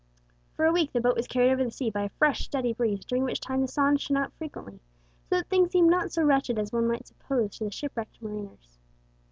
For a week the boat was carried over the sea by a fresh, steady breeze, during which time the sun shone out frequently, so that things seemed not so wretched as one might suppose to the shipwrecked mariners.